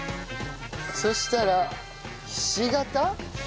そしたらひし形？